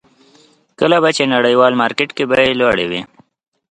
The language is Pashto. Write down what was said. کله به چې په نړیوال مارکېټ کې بیې لوړې وې.